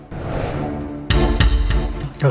สำหรับผมเองมองว่าปัญหาเรื่องการเมือง